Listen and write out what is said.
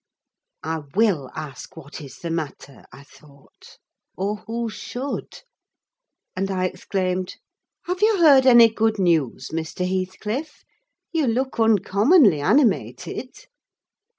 I will ask what is the matter, I thought; or who should? And I exclaimed—"Have you heard any good news, Mr. Heathcliff? You look uncommonly animated."